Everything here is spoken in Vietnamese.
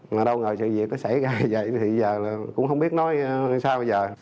mà đâu rồi sự việc nó xảy ra như vậy thì giờ cũng không biết nói sao bây giờ